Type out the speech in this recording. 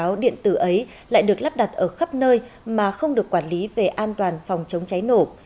những tấm biển quảng cáo điện tử ấy lại được lắp đặt ở khắp nơi mà không được quản lý về an toàn phòng chống cháy nổ